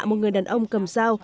một người đàn ông cầm dao